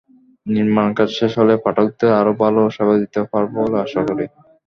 নির্মাণকাজ শেষ হলে পাঠকদের আরও ভালো সেবা দিতে পারব বলে আশা করি।